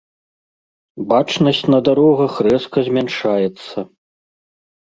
Бачнасць на дарогах рэзка змяншаецца.